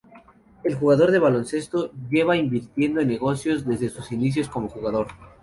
El jugador de baloncesto lleva invirtiendo en negocios desde sus inicios como jugador.